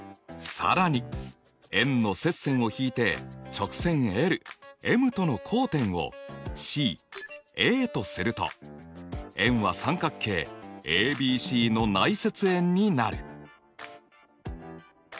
更に円の接線を引いて直線ｍとの交点をＣＡとすると円は三角形ＡＢＣの内接円になる。